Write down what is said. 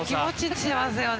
しますね。